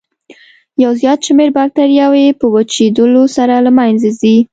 یو زیات شمېر باکتریاوې په وچېدلو سره له منځه ځي.